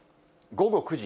午後９時。